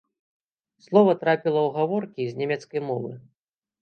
Слова трапіла ў гаворкі з нямецкай мовы.